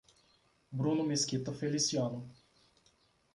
Bruno Mesquita Feliciano